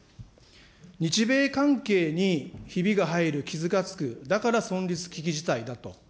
日米関係にひびが入る、傷がつく、だから存立危機事態だと。